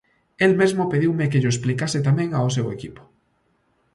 El mesmo pediume que llo explicase tamén ao seu equipo.